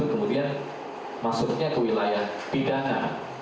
kemudian masuknya ke wilayah pidana